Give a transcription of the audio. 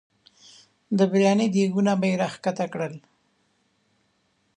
د برياني دیګونه به یې راښکته کړل.